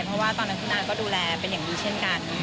เพราะว่าตอนนั้นคุณอาก็ดูแลเป็นอย่างดีเช่นกัน